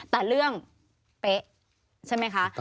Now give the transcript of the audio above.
แต่เรื่องเป๊ะใช่ไหมคะ